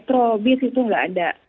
ya terus perayaan imlek itu nggak ada